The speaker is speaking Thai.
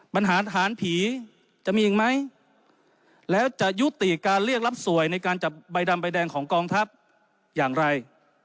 ปัญหาฐานผีจะมีอีกไหมแล้วจะยุติการเรียกรับสวยในการจับใบดำใบแดงของกองทัพอย่างไร